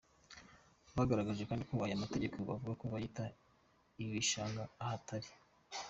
Bagaragaje kandi ko aya mategeko bavuga ko yita ibishanga ahatari .